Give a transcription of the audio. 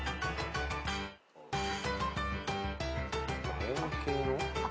楕円形の？